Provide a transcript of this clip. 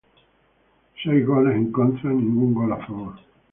Seis goles en contra, ningún gol a favor.